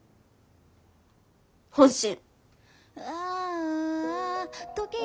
本心。